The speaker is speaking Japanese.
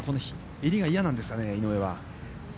襟がいやなんですかね、井上は。